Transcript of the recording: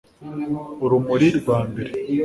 urumuri rwa mbere